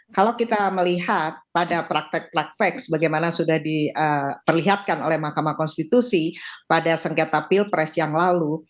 kalau kita melihat pada praktek praktek bagaimana sudah diperlihatkan oleh mahkamah konstitusi pada sengketa pilpres yang lalu